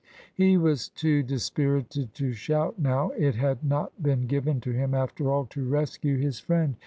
He was too dispirited to shout now. It had not been given to him after all to rescue his friend.